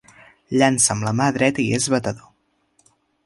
Llança amb la mà dreta i és batedor.